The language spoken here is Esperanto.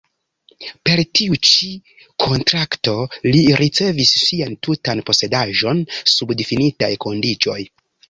Per tiu ĉi kontrakto li ricevis sian tutan posedaĵon sub difinitaj kondiĉoj.